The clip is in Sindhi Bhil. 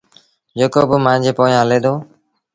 جيڪو با مآݩجي پويآنٚ هلي دو